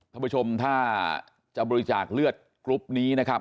ท่านผู้ชมถ้าจะบริจาคเลือดกรุ๊ปนี้นะครับ